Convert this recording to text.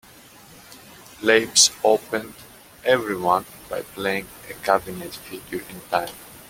Labes opened "Everyone" by playing a clavinet figure in time.